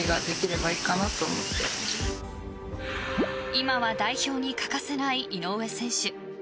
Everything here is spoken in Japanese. ［今は代表に欠かせない井上選手］